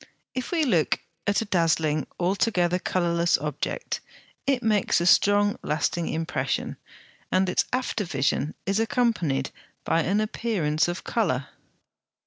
If we look at a dazzling, altogether colourless object, it makes a strong lasting impression, and its after vision is accompanied by an appearance of colour.